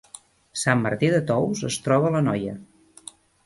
Sant Martí de Tous es troba a l’Anoia